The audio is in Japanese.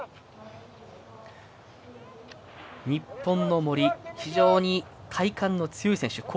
日本の森、非常に体幹の強い選手。